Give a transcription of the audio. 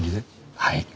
はい。